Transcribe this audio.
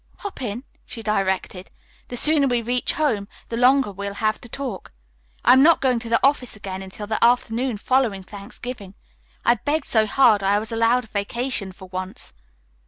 "Hop in," she directed. "The sooner we reach home the longer we'll have to talk. I am not going to the office again until the afternoon following Thanksgiving. I begged so hard I was allowed a vacation for once."